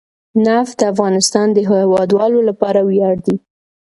نفت د افغانستان د هیوادوالو لپاره ویاړ دی.